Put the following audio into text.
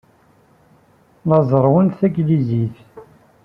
La zerrwen tanglizit.